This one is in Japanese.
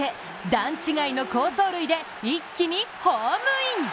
段違いの好走塁で一気にホームイン！